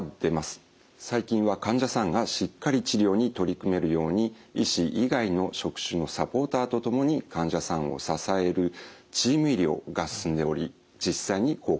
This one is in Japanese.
最近は患者さんがしっかり治療に取り組めるように医師以外の職種のサポーターと共に患者さんを支えるチーム医療が進んでおり実際に効果をあげています。